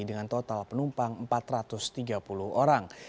dengan total penumpang empat ratus tiga puluh orang